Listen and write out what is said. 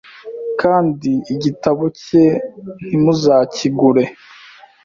kandi igitabo cye ntimuzakigure